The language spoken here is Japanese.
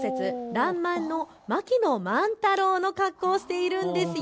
らんまんの槙野万太郎の格好をしているんですよ。